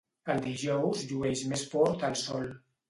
El dijous llueix més fort el sol.